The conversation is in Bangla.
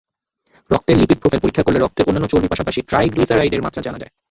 রক্তের লিপিড প্রোফাইল পরীক্ষা করলে রক্তের অন্যান্য চর্বির পাশাপাশি ট্রাইগ্লিসারাইডের মাত্রা জানা যায়।